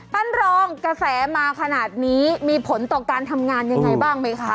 ท่านรองกระแสมาขนาดนี้มีผลต่อการทำงานยังไงบ้างไหมคะ